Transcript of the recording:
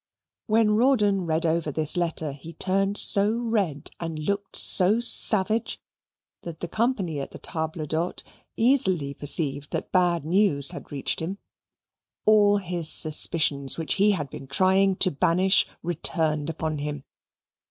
When Rawdon read over this letter, he turned so red and looked so savage that the company at the table d'hote easily perceived that bad news had reached him. All his suspicions, which he had been trying to banish, returned upon him.